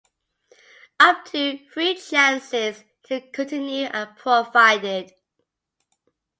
Up to three chances to continue are provided.